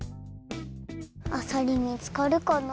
あさり見つかるかな？